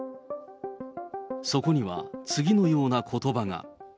そこには次のようなことばが。